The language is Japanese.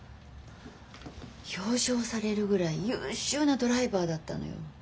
表彰されるぐらい優秀なドライバーだったのよ。